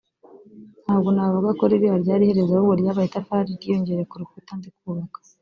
ntabwo navuga ko ririya ryari iherezo ahubwo ryabaye itafari ryiyongereye ku rukuta ndi kubaka